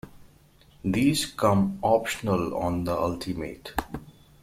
These come optional on the Ultimate.